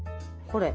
これ。